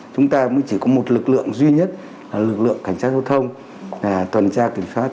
chúng ta mới chỉ có một lực lượng duy nhất lực lượng cảnh sát giao thông tuần tra kiểm soát